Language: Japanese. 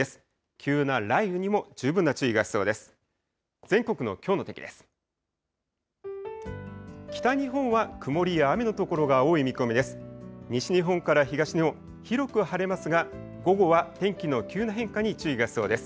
急な雷雨にも十分な注意が必要です。